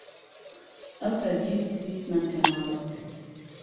ئەو هەرگیز هیچمان پێ ناڵێت.